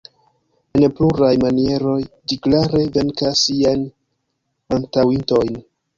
En pluraj manieroj, ĝi klare venkas siajn antaŭintojn.